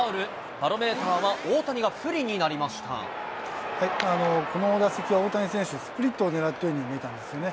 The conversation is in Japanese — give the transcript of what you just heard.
バロメーターは、この打席は、大谷選手、スプリットを狙ってるように見えたんですね。